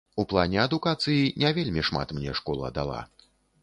У плане адукацыі не вельмі шмат мне школа дала.